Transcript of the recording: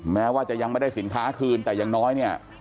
แม้ว่าจะยังไม่ได้สินค้าคืนแต่อย่างน้อยเนี่ย